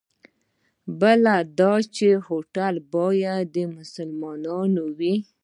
بل دا چې هوټل باید د مسلمانانو وي.